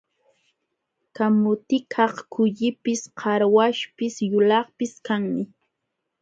Kamutikaq kullipis, qarwaśhpis, yulaqpis kanmi.